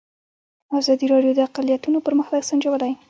ازادي راډیو د اقلیتونه پرمختګ سنجولی.